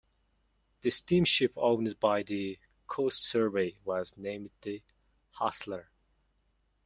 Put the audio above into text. The steamship owned by the Coast Survey was named the "Hassler".